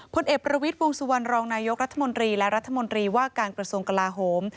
พลเอกประวิทย์วงสุวรรณรองนายกรัฐมนตรีและรัฐมนตรีว่าการกระทรวงกลาโหม